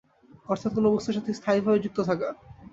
অর্থাৎ কোন বস্তুর সাথে স্থায়ীভাবে যুক্ত থাকে।